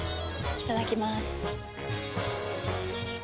いただきまーす。